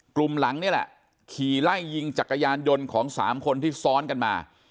กลุ่มหลังนี่แหละขี่ไล่ยิงจักรยานยนต์ของสามคนที่ซ้อนกันมา